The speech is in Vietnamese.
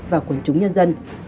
và quân chúng nhân dân